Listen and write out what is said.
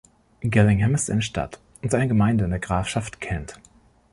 Gillingham ist eine Stadt und eine Gemeinde in der Grafschaft Kent.